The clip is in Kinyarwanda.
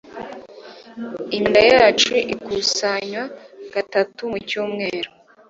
Imyanda yacu ikusanywa gatatu mu cyumweru.